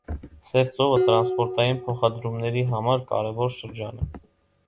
Սև ծովը տրանսպորտային փոխադրումների համար կարևոր շրջան է։